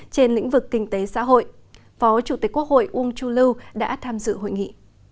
trên lĩnh vực kinh tế xã hội phó chủ tịch quốc hội uông chu lưu đã tham dự hội nghị